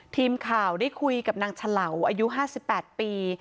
ทีมข่าวได้คุยกับนางเฉลาอายุ๕๘ปี